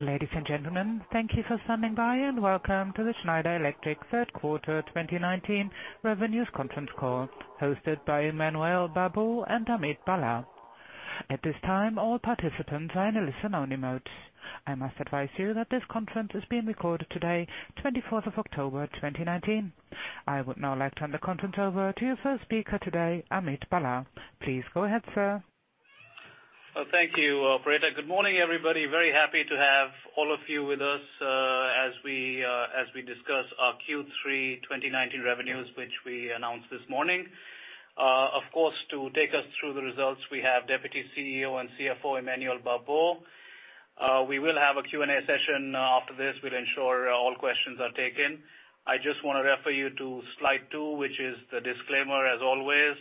Ladies and gentlemen, thank you for standing by. Welcome to the Schneider Electric third quarter 2019 revenues conference call hosted by Emmanuel Babeau and Amit Bhalla. At this time, all participants are in a listen only mode. I must advise you that this conference is being recorded today, 24th of October, 2019. I would now like to turn the conference over to your first speaker today, Amit Bhalla. Please go ahead, sir. Well, thank you, operator. Good morning, everybody. Very happy to have all of you with us, as we discuss our Q3 2019 revenues, which we announced this morning. Of course, to take us through the results, we have Deputy CEO and CFO, Emmanuel Babeau. We will have a Q&A session after this. We'll ensure all questions are taken. I just want to refer you to slide two, which is the disclaimer as always.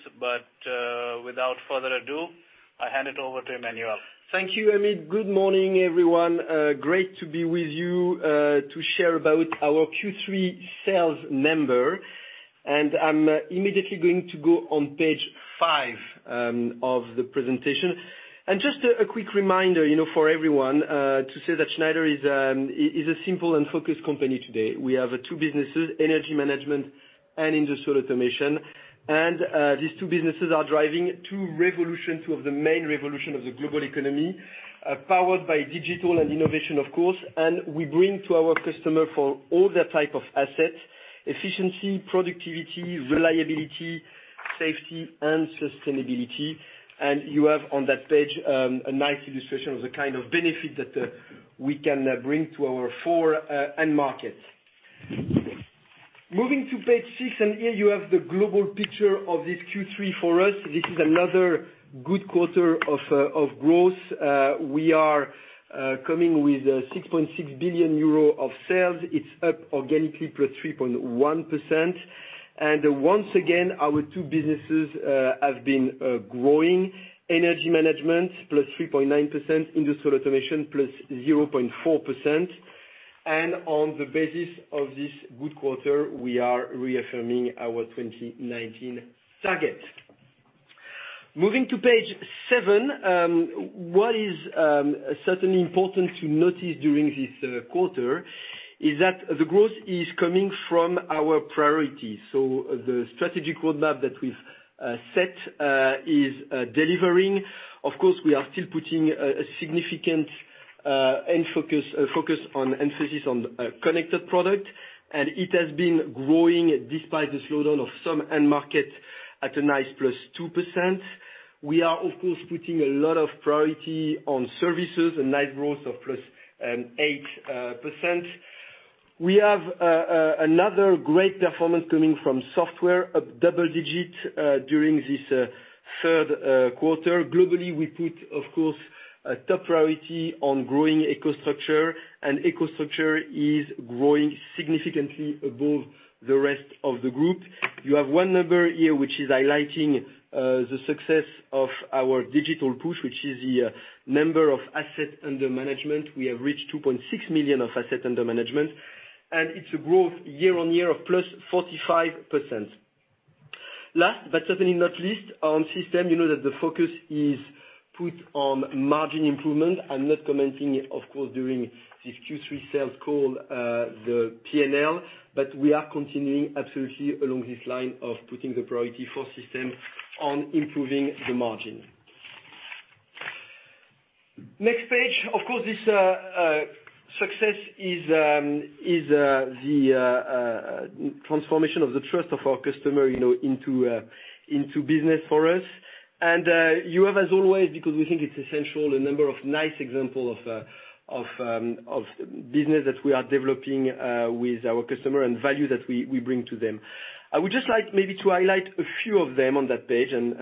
Without further ado, I hand it over to Emmanuel. Thank you, Amit. Good morning, everyone. Great to be with you, to share about our Q3 sales number. I'm immediately going to go on page five of the presentation. Just a quick reminder for everyone, to say that Schneider is a simple and focused company today. We have two businesses, Energy Management and Industrial Automation. These two businesses are driving two revolutions, two of the main revolution of the global economy, powered by digital and innovation, of course. We bring to our customer for all their type of asset, efficiency, productivity, reliability, safety, and sustainability. You have on that page, a nice illustration of the kind of benefit that we can bring to our four end markets. Moving to page six, here you have the global picture of this Q3 for us. This is another good quarter of growth. We are coming with 6.6 billion euro of sales. It's up organically +3.1%. Once again, our two businesses have been growing. Energy Management +3.9%, Industrial Automation +0.4%. On the basis of this good quarter, we are reaffirming our 2019 target. Moving to page seven, what is certainly important to notice during this quarter is that the growth is coming from our priorities. The strategic roadmap that we've set is delivering. Of course, we are still putting a significant emphasis on connected product, and it has been growing despite the slowdown of some end markets, at a nice +2%. We are, of course, putting a lot of priority on services, a nice growth of +8%. We have another great performance coming from software, up double digit, during this third quarter. Globally, we put, of course, a top priority on growing EcoStruxure, and EcoStruxure is growing significantly above the rest of the group. You have one number here which is highlighting the success of our digital push, which is the number of asset under management. We have reached 2.6 million of asset under management, and it's a growth year-on-year of +45%. Last, but certainly not least, on system, you know that the focus is put on margin improvement. I'm not commenting, of course, during this Q3 sales call, the P&L, but we are continuing absolutely along this line of putting the priority for system on improving the margin. Next page. Of course, this success is the transformation of the trust of our customer into business for us. You have as always, because we think it's essential, a number of nice example of business that we are developing with our customer and value that we bring to them. I would just like maybe to highlight a few of them on that page and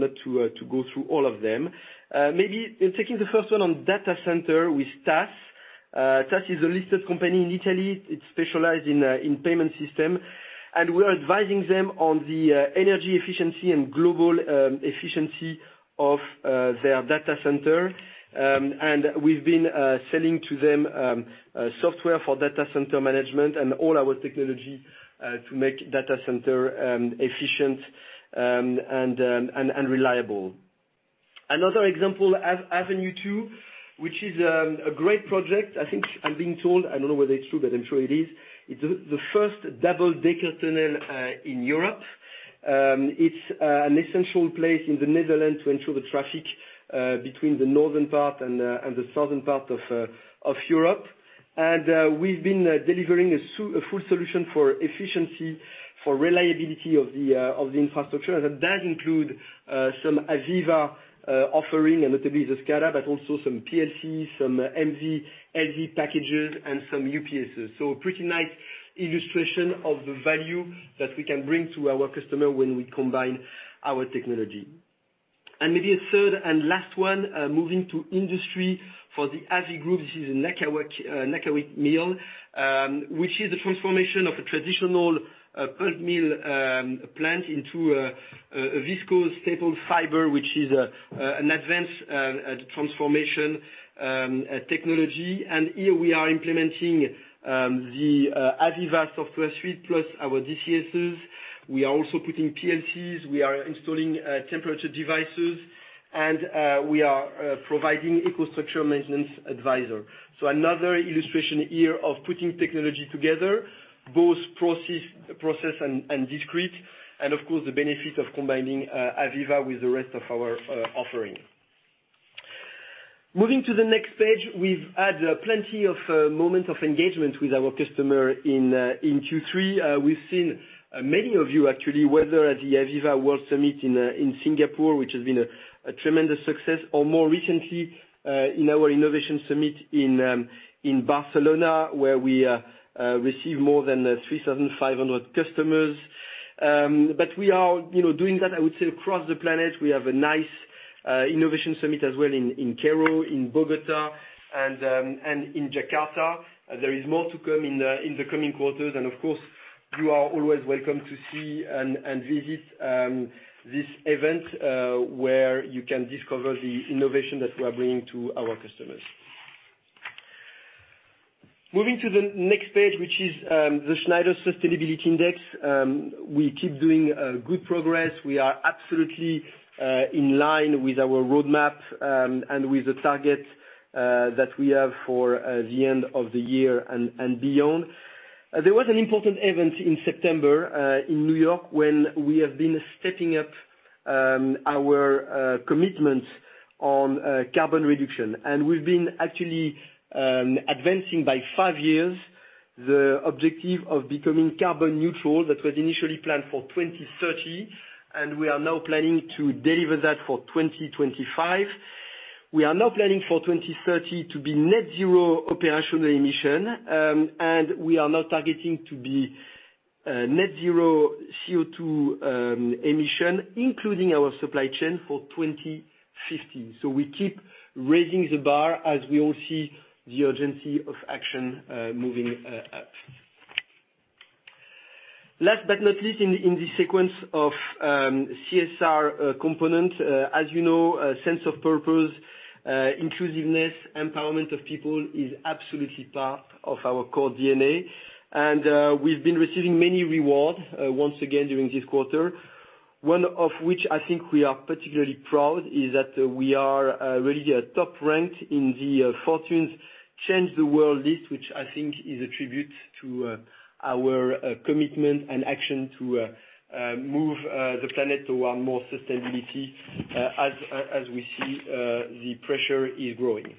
not to go through all of them. Maybe in taking the first one on data center with TAS. TAS is a listed company in Italy. It specialize in payment system, and we're advising them on the energy efficiency and global efficiency of their data center. We've been selling to them software for data center management and all our technology to make data center efficient and reliable. Another example, Avenue 2, which is a great project. I'm being told, I don't know whether it's true, but I'm sure it is. It's the first double-decker tunnel in Europe. It's an essential place in the Netherlands to ensure the traffic between the northern part and the southern part of Europe. We've been delivering a full solution for efficiency, for reliability of the infrastructure, and that does include some AVEVA offering and a tab of SCADA, but also some PLC, some MV packages, and some UPSs. A pretty nice illustration of the value that we can bring to our customer when we combine our technology. Maybe a third and last one, moving to industry for the Aditya Birla Group. This is Nagda mill which is a transformation of a traditional pulp mill plant into a viscose staple fiber, which is an advanced transformation technology. Here we are implementing the AVEVA software suite plus our DCSs. We are also putting PLCs. We are installing temperature devices, and we are providing EcoStruxure Maintenance Advisor. Another illustration here of putting technology together, both process and discrete, and of course, the benefit of combining AVEVA with the rest of our offering. Moving to the next page, we've had plenty of moments of engagement with our customer in Q3. We've seen many of you actually, whether at the AVEVA World Summit in Singapore, which has been a tremendous success, or more recently, in our innovation summit in Barcelona, where we received more than 3,500 customers. We are doing that, I would say, across the planet. We have a nice innovation summit as well in Cairo, in Bogota, and in Jakarta. There is more to come in the coming quarters. Of course, you are always welcome to see and visit this event, where you can discover the innovation that we are bringing to our customers. Moving to the next page, which is the Schneider Sustainability Index. We keep doing good progress. We are absolutely in line with our roadmap, and with the targets that we have for the end of the year and beyond. There was an important event in September, in New York, when we have been stepping up our commitment on carbon reduction. We've been actually advancing by five years the objective of becoming carbon neutral, that was initially planned for 2030, and we are now planning to deliver that for 2025. We are now planning for 2030 to be net zero operational emission, and we are now targeting to be net zero CO2 emission, including our supply chain for 2050. We keep raising the bar as we all see the urgency of action moving up. Last but not least, in the sequence of CSR component, as you know, a sense of purpose, inclusiveness, empowerment of people is absolutely part of our core DNA. We've been receiving many rewards, once again during this quarter. One of which I think we are particularly proud is that we are really top ranked in the Fortune's Change the World list, which I think is a tribute to our commitment and action to move the planet toward more sustainability, as we see the pressure is growing.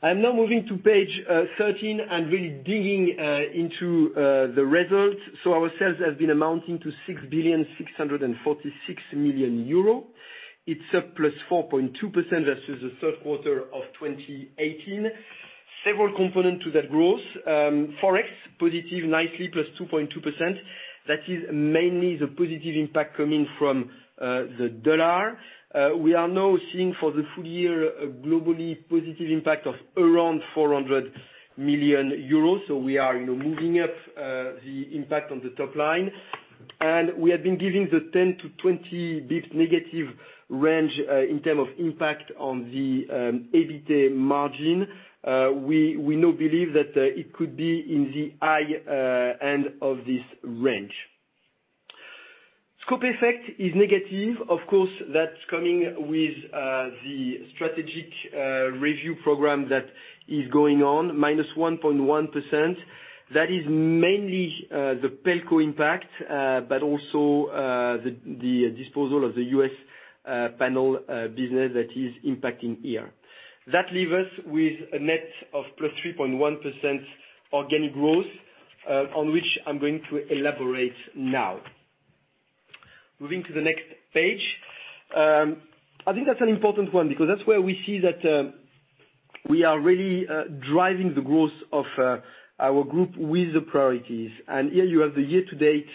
I'm now moving to page 13 and really digging into the results. Our sales have been amounting to 6,646,000,000 euros. It's up +4.2% versus the third quarter of 2018. Several component to that growth. Forex, positive nicely, +2.2%. That is mainly the positive impact coming from the U.S. dollar. We are now seeing for the full year a globally positive impact of around 400 million euros. We are moving up the impact on the top line. We have been giving the 10-20 bps negative range in term of impact on the EBITA margin. We now believe that it could be in the high end of this range. Scope effect is negative. Of course, that's coming with the strategic review program that is going on, -1.1%. That is mainly the Pelco impact, but also the disposal of the U.S. panel business that is impacting here. That leave us with a net of +3.1% organic growth, on which I'm going to elaborate now. Moving to the next page. I think that's an important one because that's where we see that we are really driving the growth of our group with the priorities. Here you have the year-to-date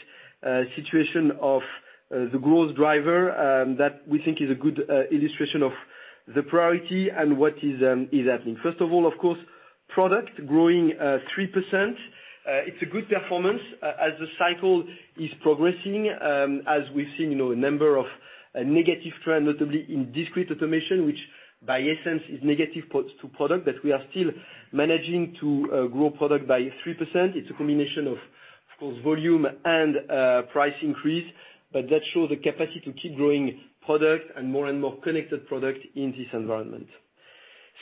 situation of the growth driver that we think is a good illustration of the priority and what is happening. First of all, of course, product growing 3%. It's a good performance as the cycle is progressing, as we've seen a number of negative trends, notably in discrete automation, which by essence is negative to product, but we are still managing to grow product by 3%. It's a combination of course, volume and price increase, but that shows the capacity to keep growing product and more and more connected product in this environment.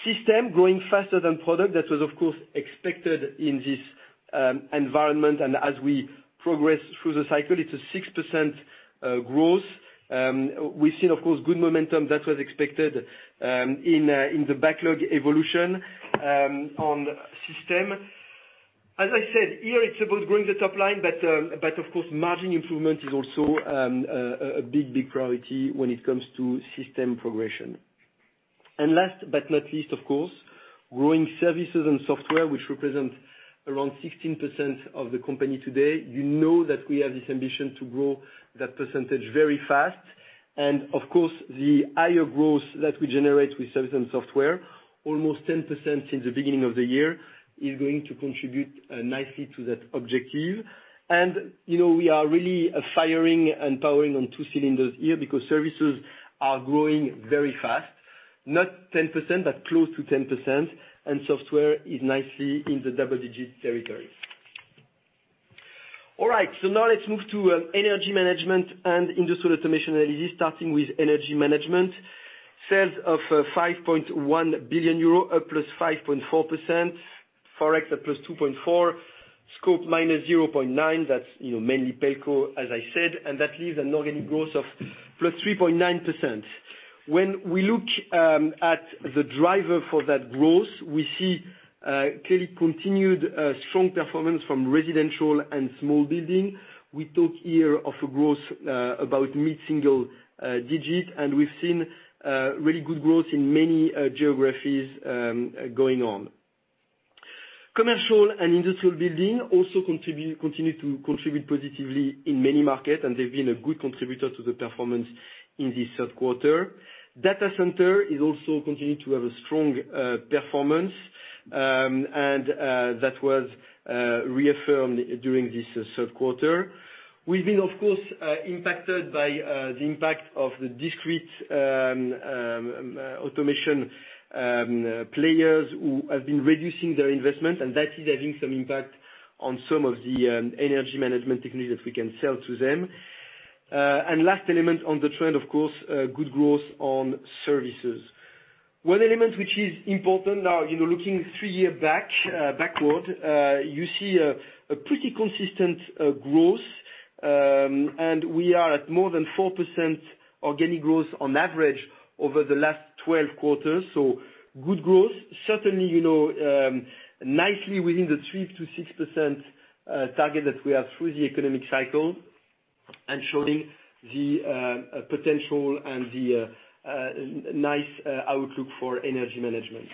System, growing faster than product, that was of course expected in this environment. As we progress through the cycle, it's a 6% growth. We've seen, of course, good momentum that was expected in the backlog evolution on System. As I said, here it's about growing the top line, but of course, margin improvement is also a big, big priority when it comes to system progression. Last but not least, of course, growing services and software, which represent around 16% of the company today. You know that we have this ambition to grow that percentage very fast. Of course, the higher growth that we generate with service and software, almost 10% since the beginning of the year, is going to contribute nicely to that objective. We are really firing and powering on two cylinders here because services are growing very fast. Not 10%, but close to 10%, and software is nicely in the double-digit territory. All right. Now let's move to Energy Management and Industrial Automation, starting with Energy Management. Sales of 5.1 billion euro, up +5.4%. Forex up +2.4%. Scope -0.9%, that's mainly Pelco, as I said. That leaves an organic growth of +3.9%. We look at the driver for that growth, we see clearly continued strong performance from residential and small building. We talk here of a growth about mid-single digits. We've seen really good growth in many geographies going on. Commercial and industrial building also continue to contribute positively in many markets. They've been a good contributor to the performance in this third quarter. Data center is also continuing to have a strong performance. That was reaffirmed during this third quarter. We've been, of course, impacted by the impact of the discrete automation players who have been reducing their investment. That is having some impact on some of the energy management techniques that we can sell to them. Last element on the trend, of course, good growth on services. One element which is important now, looking three year backward, you see a pretty consistent growth. We are at more than 4% organic growth on average over the last 12 quarters. Good growth. Certainly, nicely within the 3%-6% target that we have through the economic cycle, and showing the potential and the nice outlook for Energy Management.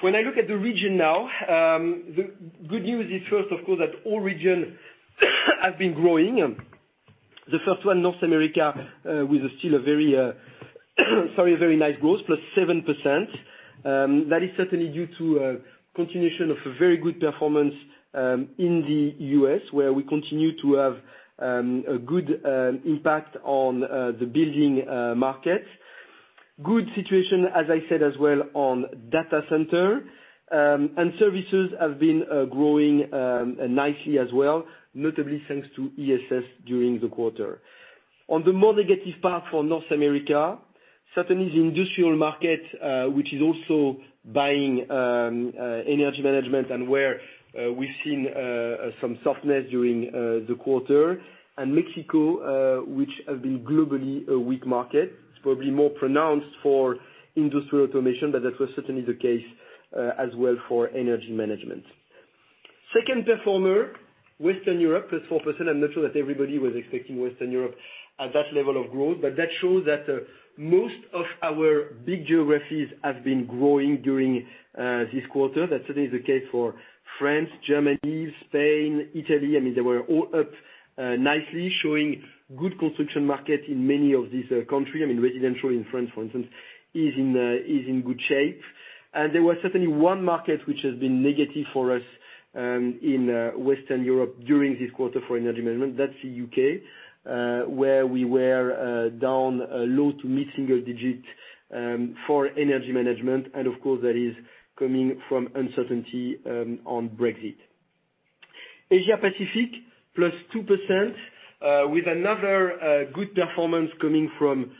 When I look at the region now, the good news is first, of course, that all region have been growing. The first one, North America, with still a very nice growth, plus 7%. That is certainly due to a continuation of a very good performance, in the U.S. where we continue to have a good impact on the building market. Good situation, as I said as well on data center. Services have been growing nicely as well, notably thanks to ESS during the quarter. On the more negative part for North America, certainly the industrial market, which is also buying Energy Management and where we've seen some softness during the quarter. Mexico, which has been globally a weak market. It's probably more pronounced for Industrial Automation, but that was certainly the case as well for Energy Management. Second performer, Western Europe, plus 4%. I'm not sure that everybody was expecting Western Europe at that level of growth, but that shows that most of our big geographies have been growing during this quarter. That certainly is the case for France, Germany, Spain, Italy. They were all up nicely, showing good construction market in many of these country. Residential in France, for instance, is in good shape. There was certainly one market which has been negative for us in Western Europe during this quarter for Energy Management. That's the U.K., where we were down low to mid-single-digit, for Energy Management. Of course, that is coming from uncertainty on Brexit. Asia Pacific +2% with another good performance coming from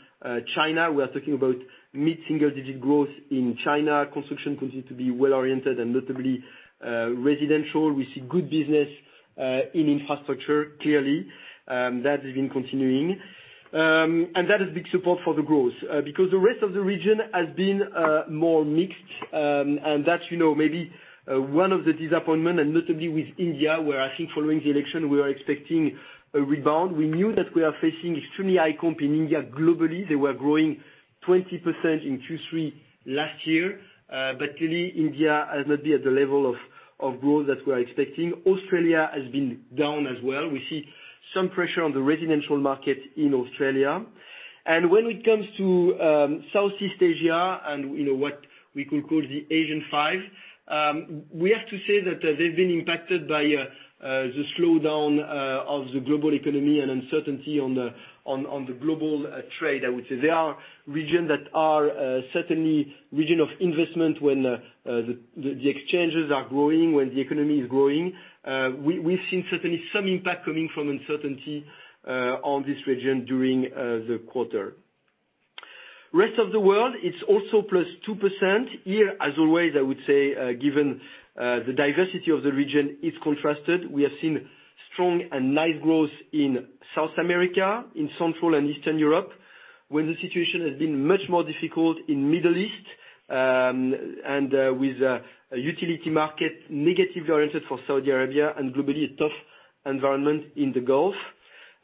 China. We are talking about mid-single-digit growth in China. Construction continues to be well-oriented and notably residential. We see good business in infrastructure, clearly. That has been continuing. That is big support for the growth because the rest of the region has been more mixed. That's maybe one of the disappointment and notably with India, where I think following the election, we were expecting a rebound. We knew that we are facing extremely high comps in India globally. They were growing 20% in Q3 last year. Clearly India has not been at the level of growth that we were expecting. Australia has been down as well. We see some pressure on the residential market in Australia. When it comes to Southeast Asia and what we could call the ASEAN Five, we have to say that they've been impacted by the slowdown of the global economy and uncertainty on the global trade. I would say they are region that are certainly region of investment when the exchanges are growing, when the economy is growing. We've seen certainly some impact coming from uncertainty on this region during the quarter. Rest of the world, it's also +2%. Here, as always, I would say, given the diversity of the region, it's contrasted. We have seen strong and nice growth in South America, in Central and Eastern Europe, when the situation has been much more difficult in Middle East, and with a utility market negatively oriented for Saudi Arabia and globally a tough environment in the Gulf.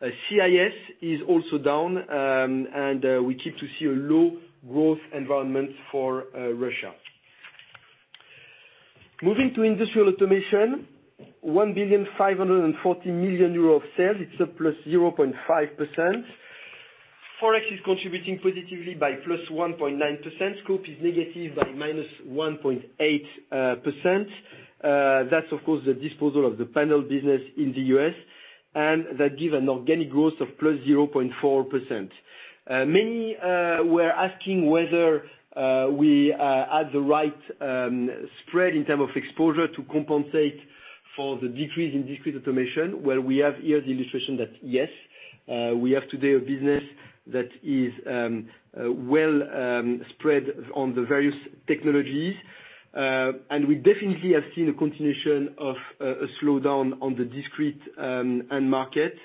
CIS is also down, and we keep to see a low growth environment for Russia. Moving to Industrial Automation, 1,540,000,000 euro of sales. It's up +0.5%. Forex is contributing positively by +1.9%. Scope is negative by -1.8%. That's, of course, the disposal of the panel business in the U.S., and that gives an organic growth of +0.4%. Many were asking whether we are at the right spread in term of exposure to compensate for the decrease in discrete automation, where we have here the illustration that, yes. We have today a business that is well spread on the various technologies. We definitely have seen a continuation of a slowdown on the discrete end market.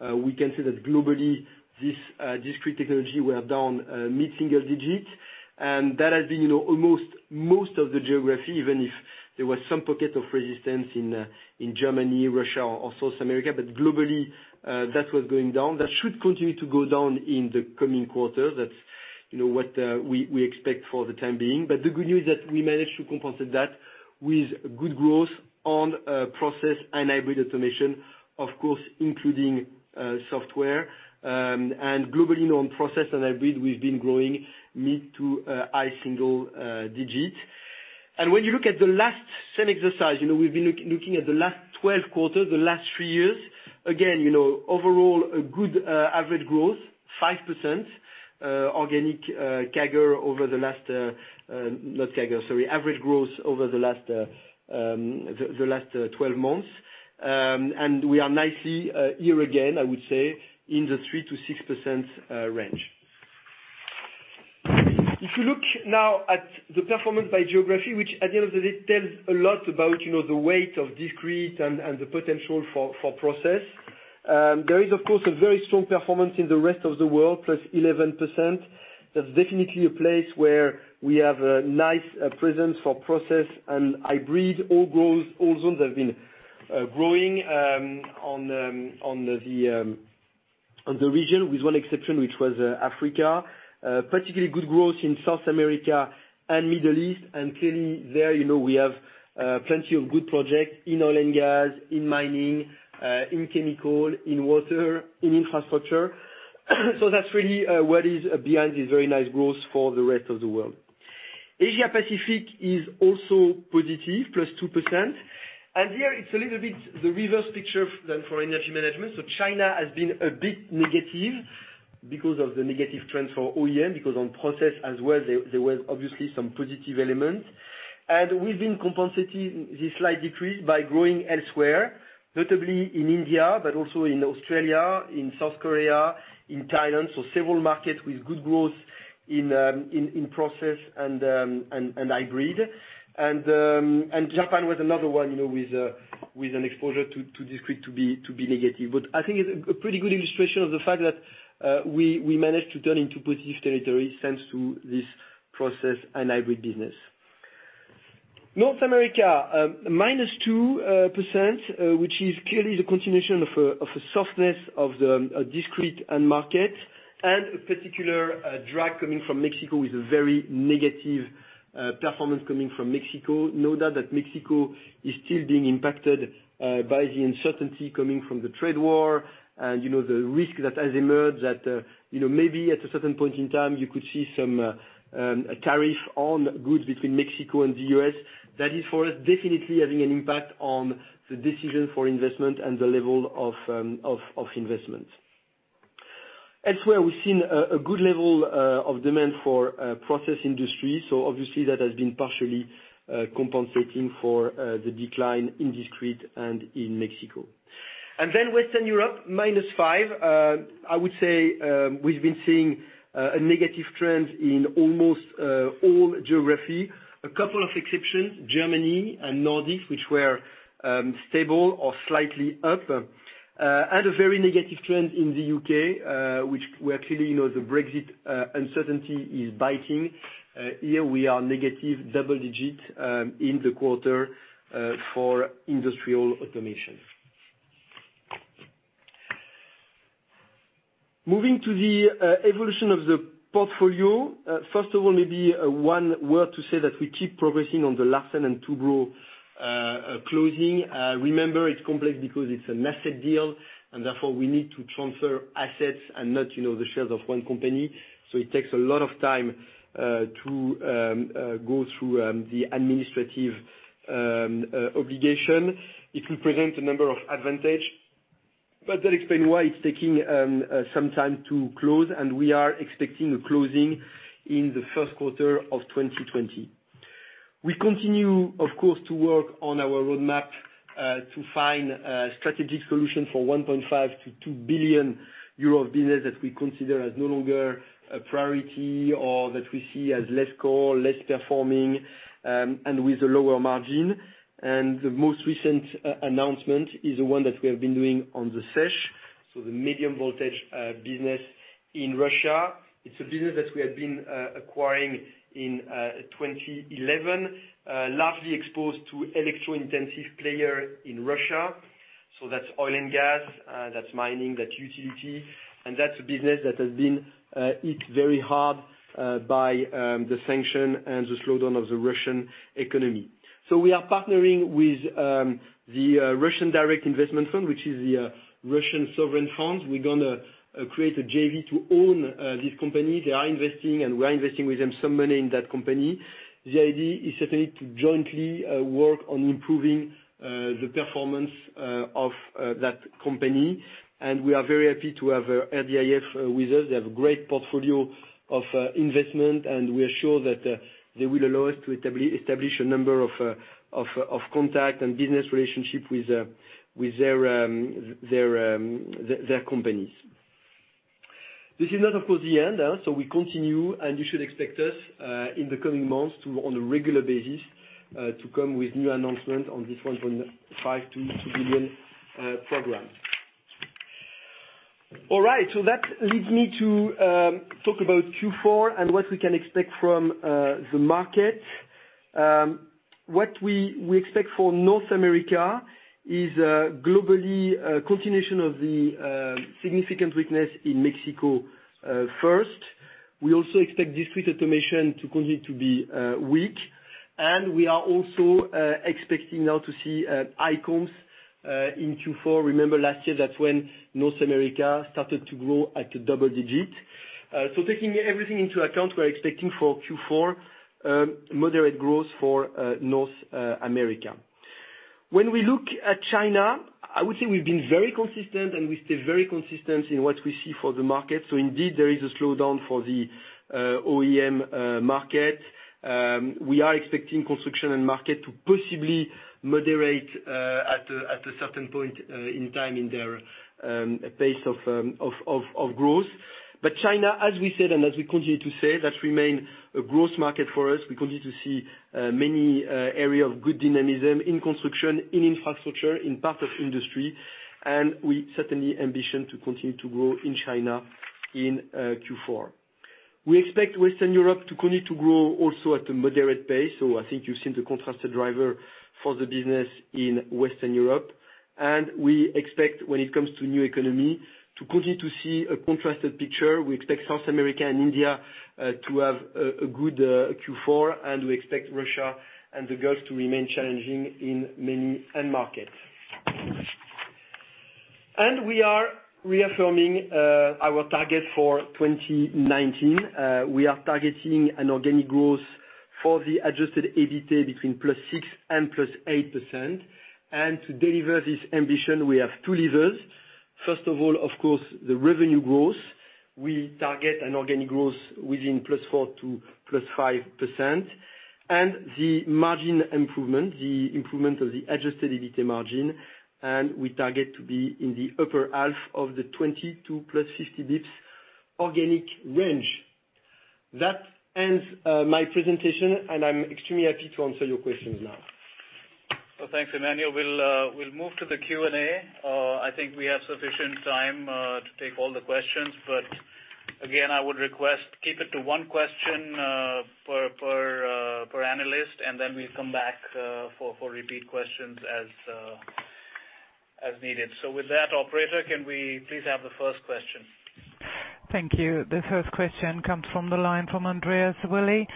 We can say that globally, this discrete technology, we are down mid-single digits. That has been almost most of the geography, even if there were some pockets of resistance in Germany, Russia or South America. Globally, that was going down. That should continue to go down in the coming quarters. That's what we expect for the time being. The good news is that we managed to compensate that with good growth on process and hybrid automation. Of course, including software. Globally, on process and hybrid, we've been growing mid to high single digits. When you look at the last same exercise, we've been looking at the last 12 quarters, the last three years. Again, overall a good average growth, 5% organic CAGR over the last. Not CAGR, sorry. Average growth over the last 12 months. We are nicely, year again, I would say, in the 3%-6% range. If you look now at the performance by geography, which at the end of the day tells a lot about the weight of discrete and the potential for process. There is, of course, a very strong performance in the rest of the world, +11%. That's definitely a place where we have a nice presence for process, and hybrid all grows. All zones have been growing on the region, with one exception, which was Africa. Particularly good growth in South America and Middle East. Clearly there, we have plenty of good projects in oil and gas, in mining, in chemical, in water, in infrastructure. That's really what is behind this very nice growth for the rest of the world. Asia Pacific is also positive, +2%. Here it's a little bit the reverse picture than for Energy Management. China has been a bit negative because of the negative trend for OEM, because on process as well, there was obviously some positive elements. We've been compensating this slight decrease by growing elsewhere, notably in India, but also in Australia, in South Korea, in Thailand. Several markets with good growth in process and hybrid. Japan was another one with an exposure to discrete to be negative. I think it's a pretty good illustration of the fact that we managed to turn into positive territory thanks to this process and hybrid business. North America, -2%, which is clearly the continuation of a softness of the discrete end market and a particular drag coming from Mexico, with a very negative performance coming from Mexico. Mexico is still being impacted by the uncertainty coming from the trade war and the risk that has emerged that maybe at a certain point in time, you could see some tariff on goods between Mexico and the U.S. That is for us, definitely having an impact on the decision for investment and the level of investment. We've seen a good level of demand for process industry. Obviously that has been partially compensating for the decline in discrete and in Mexico. Western Europe, -5%. I would say, we've been seeing a negative trend in almost all geographies. A couple of exceptions, Germany and Nordics, which were stable or slightly up. A very negative trend in the U.K., where clearly, the Brexit uncertainty is biting. Here we are negative double digits in the quarter for Industrial Automation. Moving to the evolution of the portfolio. First of all, maybe one word to say that we keep progressing on the Larsen & Toubro closing. Remember, it's complex because it's an asset deal and therefore we need to transfer assets and not the shares of one company. It takes a lot of time to go through the administrative obligation. It will present a number of advantage, that explain why it's taking some time to close, and we are expecting a closing in the first quarter of 2020. We continue, of course, to work on our roadmap to find a strategic solution for 1.5 billion to 2 billion euro business that we consider as no longer a priority or that we see as less core, less performing, and with a lower margin. The most recent announcement is the one that we have been doing on the SESH. The medium voltage business in Russia. It's a business that we have been acquiring in 2011, largely exposed to electro-intensive player in Russia. That's oil and gas, that's mining, that's utility. That's a business that has been hit very hard by the sanction and the slowdown of the Russian economy. We are partnering with the Russian Direct Investment Fund, which is the Russian sovereign funds. We're going to create a JV to own this company. They are investing and we're investing with them some money in that company. The idea is certainly to jointly work on improving the performance of that company, and we are very happy to have RDIF with us. They have a great portfolio of investment, and we are sure that they will allow us to establish a number of contact and business relationship with their companies. This is not, of course, the end. We continue, and you should expect us in the coming months to, on a regular basis, to come with new announcements on this 1.5 billion-2 billion program. That leads me to talk about Q4 and what we can expect from the market. What we expect for North America is globally a continuation of the significant weakness in Mexico first. We also expect discrete automation to continue to be weak, and we are also expecting now to see high comps in Q4. Remember last year, that's when North America started to grow at a double digit. Taking everything into account, we're expecting for Q4 moderate growth for North America. When we look at China, I would say we've been very consistent and we stay very consistent in what we see for the market. Indeed, there is a slowdown for the OEM market. We are expecting construction and market to possibly moderate at a certain point in time in their pace of growth. China, as we said and as we continue to say, that remains a growth market for us. We continue to see many areas of good dynamism in construction, in infrastructure, in part of industry, and we certainly ambition to continue to grow in China in Q4. We expect Western Europe to continue to grow also at a moderate pace. I think you've seen the contrasted driver for the business in Western Europe, and we expect when it comes to new economy, to continue to see a contrasted picture. We expect South America and India to have a good Q4, and we expect Russia and the Gulf to remain challenging in many end markets. We are reaffirming our target for 2019. We are targeting an organic growth for the adjusted EBITDA between plus 6% and plus 8%. To deliver this ambition, we have two levers. First of all, of course, the revenue growth. We target an organic growth within plus 4% to plus 5%, the margin improvement, the improvement of the adjusted EBITDA margin, we target to be in the upper half of the 22-plus 50 basis points organic range. That ends my presentation, I'm extremely happy to answer your questions now. Well, thanks, Emmanuel. We'll move to the Q&A. I think we have sufficient time to take all the questions. Again, I would request keep it to one question per analyst, and we'll come back for repeat questions as needed. With that, operator, can we please have the first question? Thank you. The first question comes from the line from Andreas Willi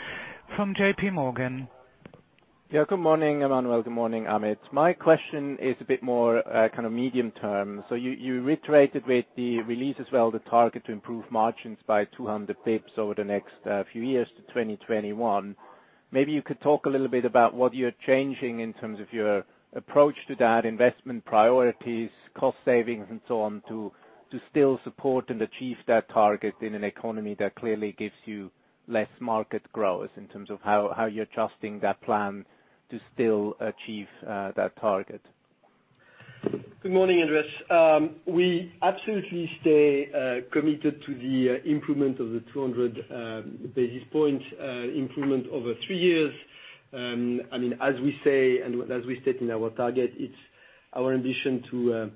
from JPMorgan. Good morning, Emmanuel. Good morning, Amit. My question is a bit more kind of medium term. You reiterated with the release as well the target to improve margins by 200 basis points over the next few years to 2021. Maybe you could talk a little bit about what you're changing in terms of your approach to that, investment priorities, cost savings, and so on, to still support and achieve that target in an economy that clearly gives you less market growth in terms of how you're adjusting that plan to still achieve that target. Good morning, Andreas. We absolutely stay committed to the improvement of the 200 basis points improvement over three years. As we say, as we state in our target, it's our ambition to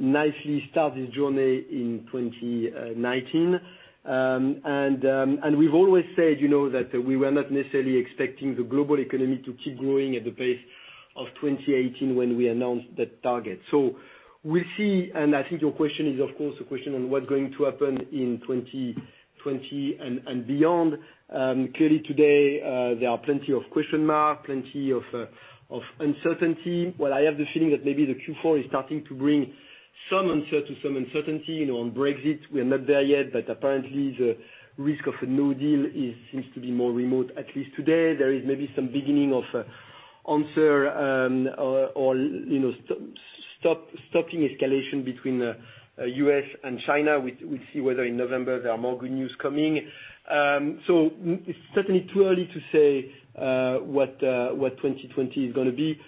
nicely start this journey in 2019. We've always said that we were not necessarily expecting the global economy to keep growing at the pace of 2018 when we announced that target. We'll see, I think your question is of course a question on what's going to happen in 2020 and beyond. Clearly today, there are plenty of question marks, plenty of uncertainty. I have the feeling that maybe the Q4 is starting to bring some uncertainty on Brexit. We are not there yet, apparently the risk of a new deal seems to be more remote, at least today. There is maybe some beginning of answer or stopping escalation between U.S. and China. We'll see whether in November there are more good news coming. It's certainly too early to say what 2020 is going to be.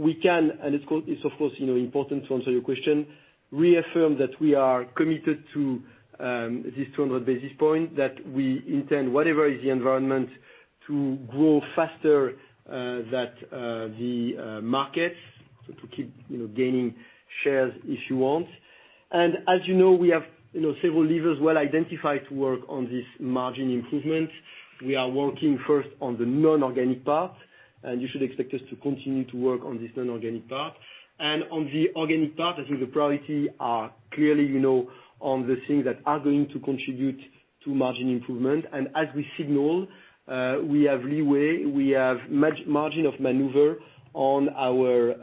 We can, and it's of course important to answer your question, reaffirm that we are committed to this 200 basis points, that we intend whatever is the environment to grow faster than the markets, to keep gaining shares if you want. As you know, we have several levers well identified to work on this margin improvement. We are working first on the non-organic part, and you should expect us to continue to work on this non-organic part. On the organic part, I think the priority are clearly on the things that are going to contribute to margin improvement. As we signal, we have leeway, we have margin of maneuver on our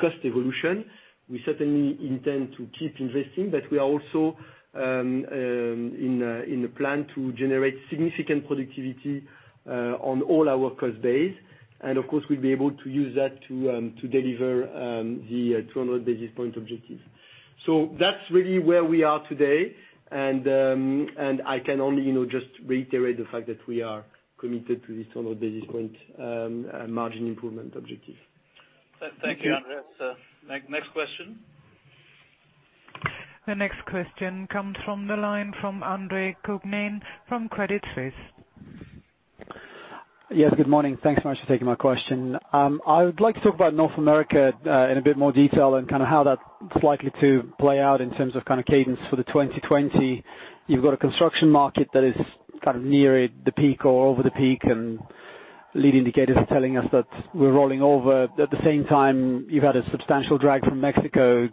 cost evolution. We certainly intend to keep investing, but we are also in a plan to generate significant productivity on all our cost base. Of course, we'll be able to use that to deliver the 200 basis point objective. That's really where we are today, and I can only just reiterate the fact that we are committed to this 100 basis point margin improvement objective. Thank you, Andreas. Next question. The next question comes from the line from Andre Kukhnin from Credit Suisse. Yes. Good morning. Thanks so much for taking my question. I would like to talk about North America in a bit more detail and kind of how that's likely to play out in terms of kind of cadence for 2020. You've got a construction market that is kind of near the peak or over the peak. Lead indicators are telling us that we're rolling over. At the same time, you've had a substantial drag from Mexico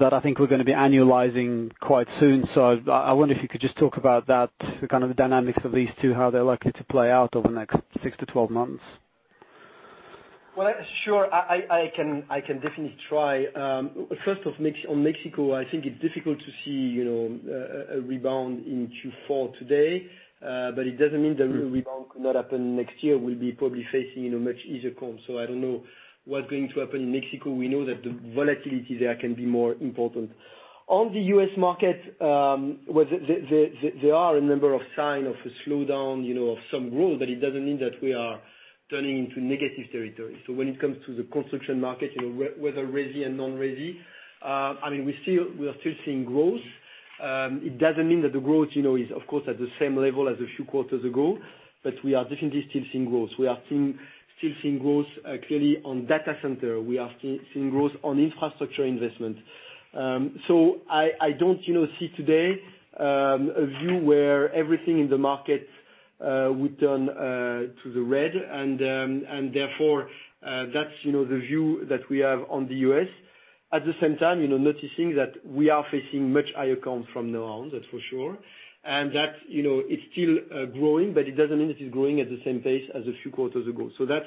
that I think we're going to be annualizing quite soon. I wonder if you could just talk about that, the kind of dynamics of these two, how they're likely to play out over the next 6-12 months. Well, sure. I can definitely try. First off, on Mexico, I think it's difficult to see a rebound in Q4 today. It doesn't mean that a rebound could not happen next year. We'll be probably facing a much easier comp. I don't know what's going to happen in Mexico. We know that the volatility there can be more important. On the U.S. market, there are a number of signs of a slowdown, of some growth, but it doesn't mean that we are turning into negative territory. When it comes to the construction market, whether resi and non-resi, we are still seeing growth. It doesn't mean that the growth is, of course, at the same level as a few quarters ago, but we are definitely still seeing growth. We are still seeing growth, clearly, on data center. We are still seeing growth on infrastructure investment. I don't see today a view where everything in the market would turn to the red, and therefore, that's the view that we have on the U.S. At the same time, noticing that we are facing much higher comps from now on, that's for sure. That it's still growing, but it doesn't mean it is growing at the same pace as a few quarters ago. That's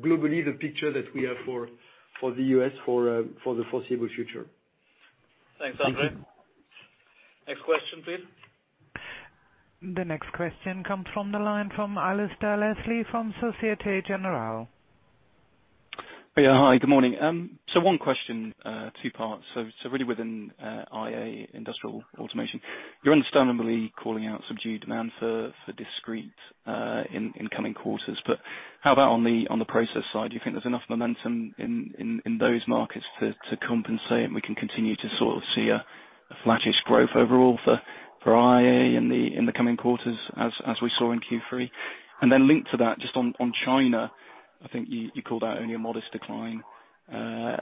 globally the picture that we have for the U.S. for the foreseeable future. Thanks, Andre. Thank you. Next question, please. The next question comes from the line from Alasdair Leslie from Societe Generale. Yeah. Hi, good morning. One question, two parts. Really within IA, Industrial Automation. You're understandably calling out subdued demand for discrete in coming quarters. How about on the process side, do you think there's enough momentum in those markets to compensate and we can continue to sort of see a flattish growth overall for IA in the coming quarters, as we saw in Q3? Linked to that, just on China, I think you called out only a modest decline. I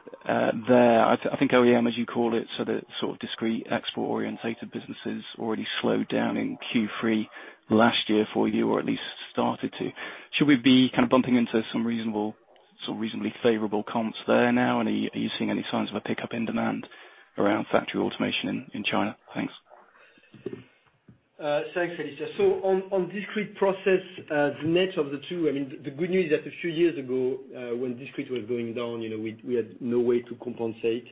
think OEM, as you call it, so the sort of discrete export-orientated businesses already slowed down in Q3 last year for you, or at least started to. Should we be kind of bumping into some reasonably favorable comps there now? Are you seeing any signs of a pickup in demand around factory automation in China? Thanks. Thanks, Alasdair. On discrete process, the net of the two, the good news that a few years ago, when discrete was going down, we had no way to compensate.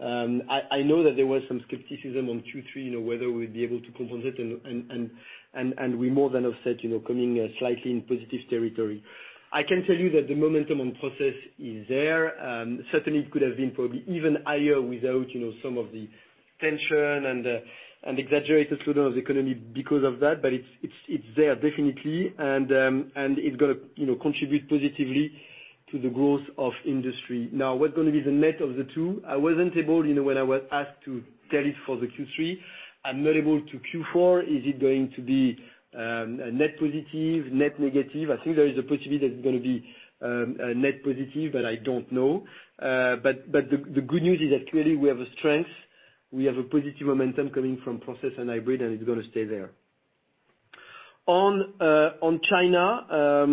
I know that there was some skepticism on Q3, whether we'd be able to compensate and we more than offset, coming slightly in positive territory. I can tell you that the momentum on process is there. Certainly it could have been probably even higher without some of the tension and exaggerated slowdown of the economy because of that. It's there, definitely. It got to contribute positively to the growth of industry. What's going to be the net of the two? I wasn't able, when I was asked to tell it for the Q3. I'm not able to Q4. Is it going to be net positive, net negative? I think there is a possibility that it's going to be net positive. I don't know. The good news is that clearly we have a strength. We have a positive momentum coming from process and hybrid, and it's going to stay there. On China,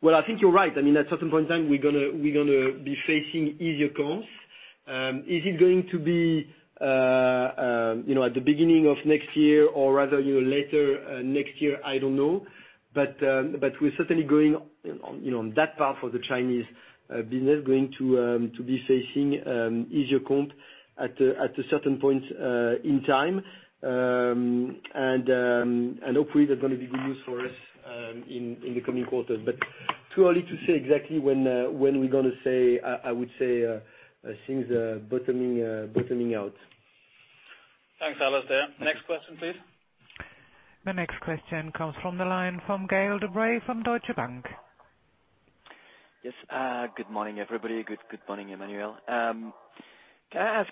well, I think you're right. I mean, at certain point in time, we're going to be facing easier comps. Is it going to be at the beginning of next year or rather later next year? I don't know. We're certainly going on that path for the Chinese business, going to be facing easier comp at a certain point in time. Hopefully, that's going to be good news for us in the coming quarters. Too early to say exactly when we're going to say, I would say things are bottoming out. Thanks, Alasdair. Next question, please. The next question comes from the line from Gaël De Bray from Deutsche Bank. Yes. Good morning, everybody. Good morning, Emmanuel. Can I ask,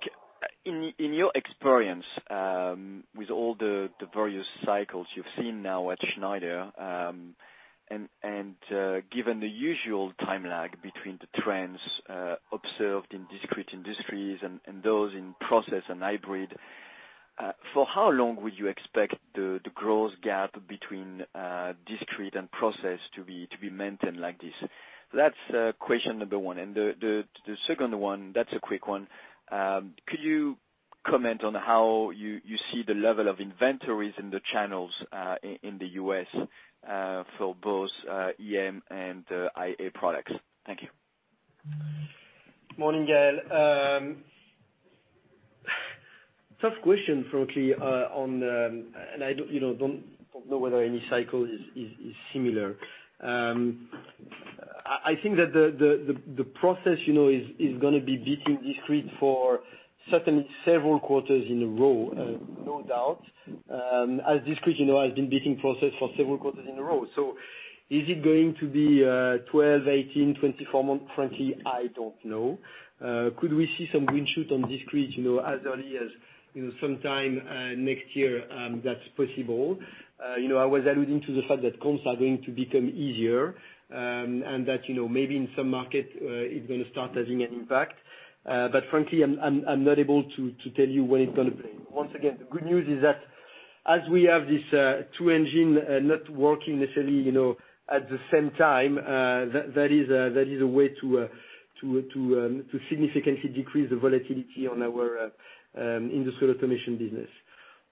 in your experience, with all the various cycles you've seen now at Schneider, and given the usual time lag between the trends observed in discrete industries and those in process and hybrid, for how long would you expect the growth gap between discrete and process to be maintained like this? That's question number 1. The second one, that's a quick one. Could you comment on how you see the level of inventories in the channels in the U.S. for both EM and IA products? Thank you. Morning, Gaël. Tough question, frankly. I don't know whether any cycle is similar. I think that the process is going to be beating discrete for certainly several quarters in a row, no doubt. As discrete has been beating process for several quarters in a row. Is it going to be 12, 18, 24 months? Frankly, I don't know. Could we see some green shoot on discrete, as early as sometime next year? That's possible. I was alluding to the fact that comps are going to become easier, and that maybe in some market it's going to start having an impact. Frankly, I'm not able to tell you when it's going to play. Once again, the good news is that as we have this two engine not working necessarily, at the same time, that is a way to significantly decrease the volatility on our Industrial Automation business.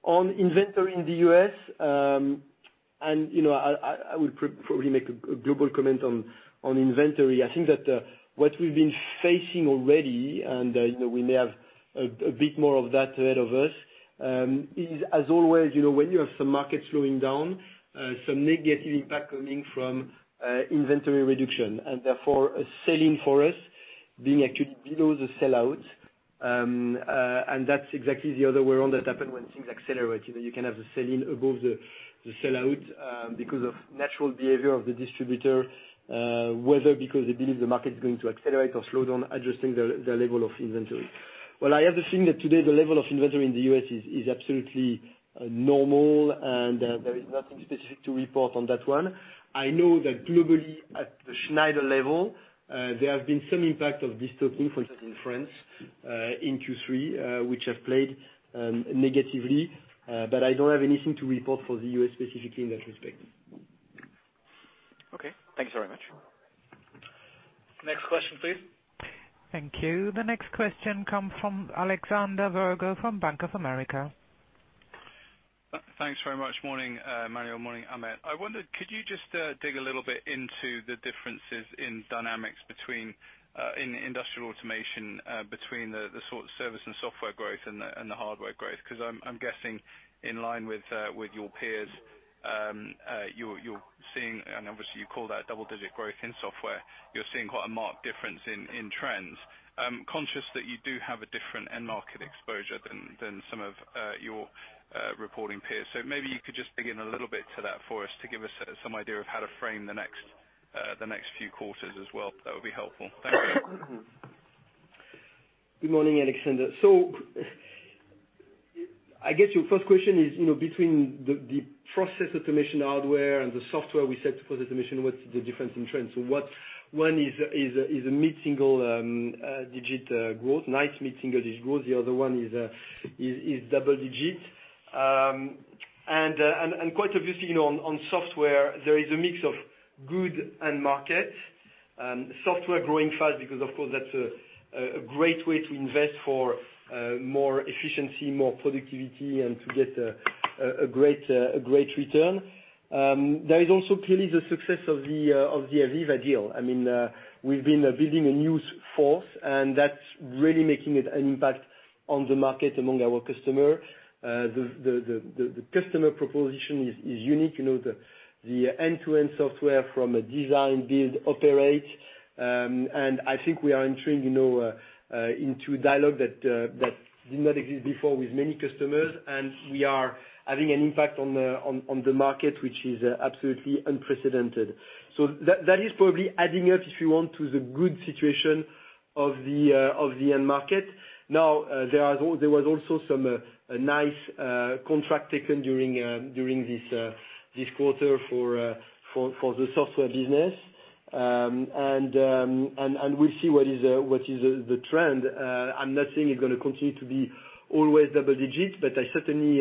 On inventory in the U.S., I would probably make a global comment on inventory. I think that what we've been facing already, and we may have a bit more of that ahead of us, is as always, when you have some markets slowing down, some negative impact coming from inventory reduction. Therefore, a sell-in for us being actually below the sell-out. That's exactly the other way around that happen when things accelerate. You can have the sell-in above the sell-out, because of natural behavior of the distributor, whether because they believe the market's going to accelerate or slow down, adjusting their level of inventory. Well, I have the feeling that today the level of inventory in the U.S. is absolutely normal, and there is nothing specific to report on that one. I know that globally, at the Schneider level, there have been some impact of this topic, for instance, in France, in Q3, which have played negatively. I don't have anything to report for the U.S. specifically in that respect. Okay. Thanks very much. Next question, please. Thank you. The next question comes from Alexander Virgo from Bank of America. Thanks very much. Morning, Emmanuel. Morning, Amit. I wondered, could you just dig a little bit into the differences in dynamics between Industrial Automation, between the sort of service and software growth and the hardware growth? I'm guessing in line with your peers, you're seeing, and obviously you call that double-digit growth in software, you're seeing quite a marked difference in trends. Conscious that you do have a different end market exposure than some of your reporting peers. Maybe you could just dig in a little bit to that for us to give us some idea of how to frame the next few quarters as well. That would be helpful. Thank you. Good morning, Alexander. I get your first question is, between the process automation hardware and the software we sell for automation, what's the difference in trends? One is a mid-single digit growth, nice mid-single digit growth. The other one is double digit. Quite obviously, on software there is a mix of good end market. Software growing fast because, of course, that's a great way to invest for more efficiency, more productivity, and to get a great return. There is also clearly the success of the AVEVA deal. We've been building a new force, and that's really making an impact on the market among our customer. The customer proposition is unique. The end-to-end software from a design-build operate. I think we are entering into a dialogue that did not exist before with many customers, and we are having an impact on the market, which is absolutely unprecedented. That is probably adding up, if you want, to the good situation of the end market. Now, there was also some nice contract taken during this quarter for the software business. We'll see what is the trend. I'm not saying it's going to continue to be always double digits, but I certainly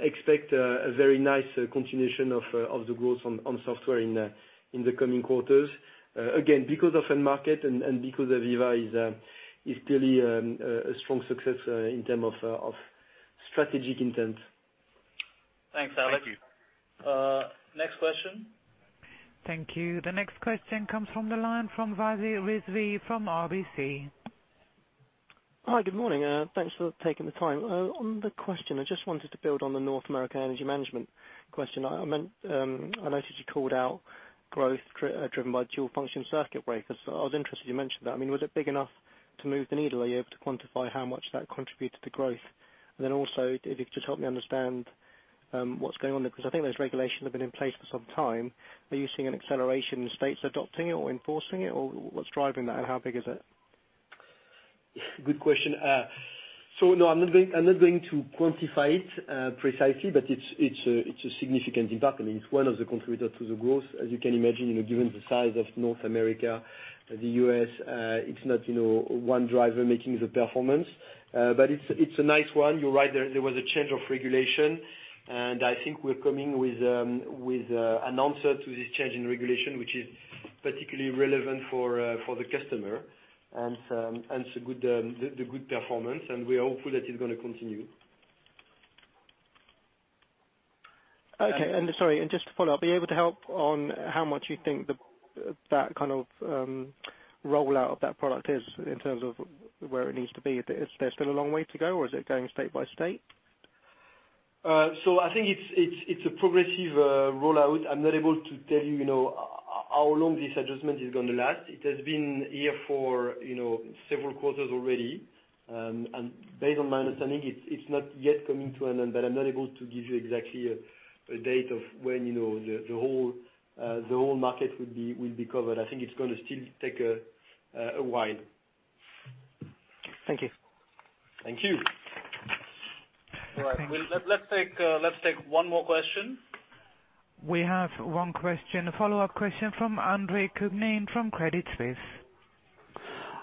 expect a very nice continuation of the growth on software in the coming quarters. Again, because of end market and because AVEVA is clearly a strong success in term of strategic intent. Thanks, Alex. Thank you. Next question. Thank you. The next question comes from the line from Wasi Rizvi from RBC. Hi, good morning. Thanks for taking the time. On the question, I just wanted to build on the North American Energy Management question. I noticed you called out growth driven by dual function circuit breakers. I was interested you mentioned that. Was it big enough to move the needle? Are you able to quantify how much that contributed to growth? Also, if you could just help me understand what's going on there, because I think those regulations have been in place for some time. Are you seeing an acceleration in the States adopting it or enforcing it, or what's driving that and how big is it? Good question. No, I'm not going to quantify it precisely, but it's a significant impact. It's one of the contributor to the growth, as you can imagine, given the size of North America, the U.S., it's not one driver making the performance. It's a nice one. You're right, there was a change of regulation, I think we're coming with an answer to this change in regulation, which is particularly relevant for the customer and the good performance. We are hopeful that it's going to continue. Okay. Sorry, just to follow up, are you able to help on how much you think that kind of rollout of that product is in terms of where it needs to be? Is there still a long way to go, or is it going state by state? I think it's a progressive rollout. I'm not able to tell you how long this adjustment is going to last. It has been here for several quarters already. Based on my understanding, it's not yet coming to an end, but I'm not able to give you exactly a date of when the whole market will be covered. I think it's going to still take a while. Thank you. Thank you. All right. Let's take one more question. We have one question, a follow-up question from Andre Kukhnin from Credit Suisse.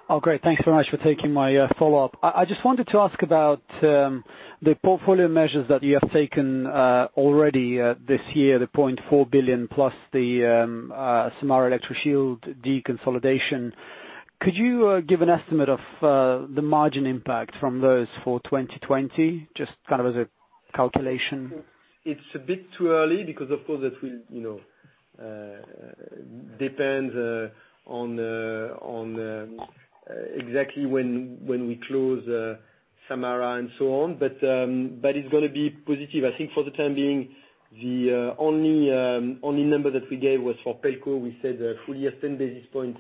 Oh, great. Thanks very much for taking my follow-up. I just wanted to ask about the portfolio measures that you have taken already this year, the 0.4 billion plus the Electroshield - TM Samara deconsolidation. Could you give an estimate of the margin impact from those for 2020? Just kind of as a calculation. It's a bit too early because, of course, that will depend on exactly when we close Samara and so on. It's going to be positive. I think for the time being, the only number that we gave was for Pelco. We said a full year 10 basis point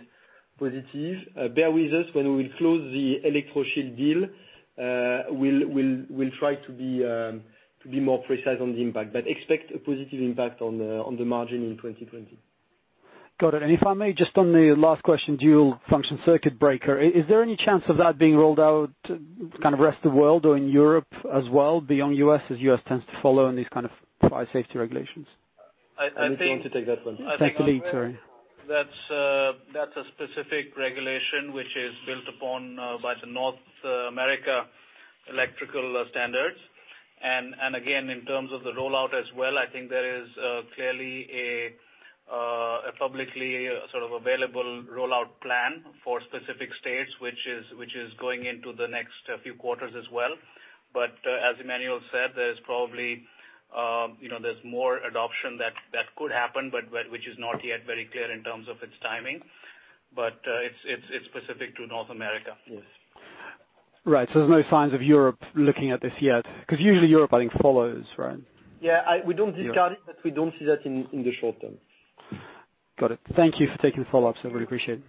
positive. Bear with us. When we will close the Electroshield deal, we'll try to be more precise on the impact. Expect a positive impact on the margin in 2020. Got it. If I may, just on the last question, dual function circuit breaker, is there any chance of that being rolled out kind of rest of the world or in Europe as well, beyond U.S., as U.S. tends to follow in these kind of fire safety regulations? [Ali], do you want to take that one? Thank you, [Lee]. Sorry. That's a specific regulation which is built upon by the North America electrical standards. Again, in terms of the rollout as well, I think there is clearly a publicly sort of available rollout plan for specific states, which is going into the next few quarters as well. As Emmanuel said, there's more adoption that could happen, but which is not yet very clear in terms of its timing. It's specific to North America. Yes. Right. There's no signs of Europe looking at this yet. Because usually Europe, I think, follows, right? Yeah. We don't discard it, but we don't see that in the short term. Got it. Thank you for taking the follow-up, so really appreciate it.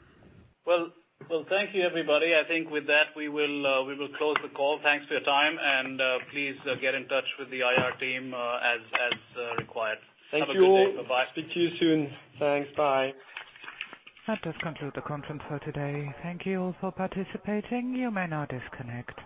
Well, thank you, everybody. I think with that, we will close the call. Thanks for your time, please get in touch with the IR team as required. Thank you all. Have a good day. Bye-bye. Speak to you soon. Thanks. Bye. That does conclude the conference for today. Thank you all for participating. You may now disconnect.